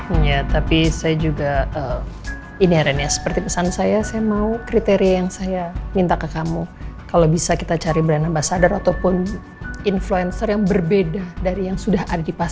iya tapi saya juga ini aren ya seperti pesan saya saya mau kriteria yang saya minta ke kamu kalau bisa kita cari brand ambasadar ataupun influencer yang berbeda dari yang sudah ada di pasar